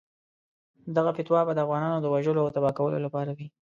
دغه فتوا به د افغانانو د وژلو او تباه کولو لپاره وي.